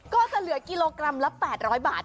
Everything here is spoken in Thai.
ก็จะเหลือกิโลกรัมละ๘๐๐บาท